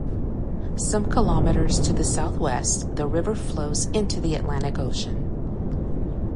Some kilometers to the southwest the river flows into the Atlantic Ocean.